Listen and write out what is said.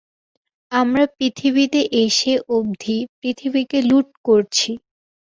আমরা পৃথিবীতে এসে অবধি পৃথিবীকে লুঠ করছি।